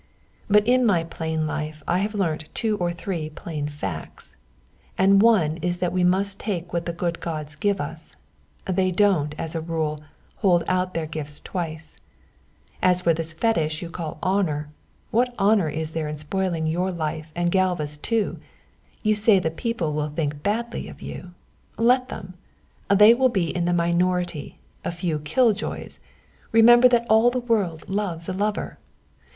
"But in my plain life I have learnt two or three plain facts, and one is that we must take what the good gods give us; they don't, as a rule, hold out their gifts twice. As for this fetish you call honour, what honour is there in spoiling your own life and Galva's too? You say the people will think badly of you. Let them. They will be in the minority, a few kill joys remember that all the world loves a lover.